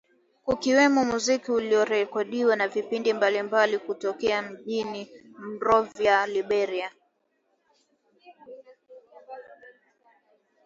Kukiwemo muziki uliorekodiwa na vipindi mbalimbali kutokea mjini Monrovia, Liberia.